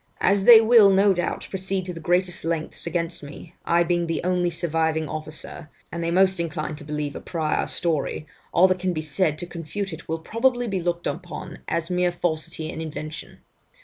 'As they will no doubt proceed to the greatest lengths against me, I being the only surviving officer, and they most inclined to believe a prior story, all that can be said to confute it will probably be looked upon as mere falsity and invention.